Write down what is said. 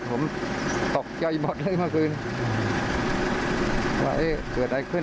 ผมตกใจหมดเลยเมื่อคืนว่าเกิดอะไรขึ้น